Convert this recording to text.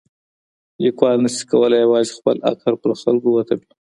ليکوال نه سي کولای يوازې خپل عقل پر خلګو وتپي.